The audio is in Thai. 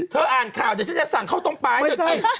เธออ่านข่าวเดี๋ยวฉันจะสั่งเขาต้องปลายจนกิน